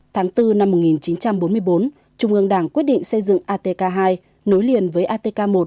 tháng bốn năm một nghìn chín trăm bốn mươi bốn trung ương đảng quyết định xây dựng atk hai nối liền với atk một